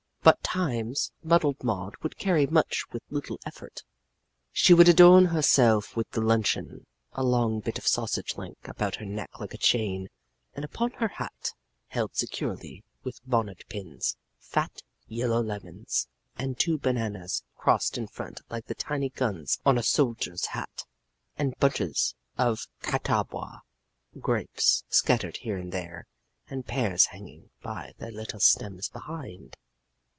But, times, Muddled Maud would carry much with little effort she would adorn herself with the luncheon a long bit of sausage link about her neck like a chain, and upon her hat, held securely with bonnet pins, fat yellow lemons, and two bananas crossed in front like the tiny guns on a soldier's hat, and bunches of Catawba grapes scattered here and there, and pears hanging by their little stems behind.